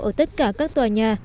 ở tất cả các tòa nhà